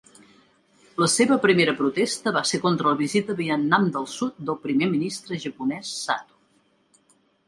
La seva primera protesta va ser contra la visita a Vietnam del Sud del primer ministre japonès Sato.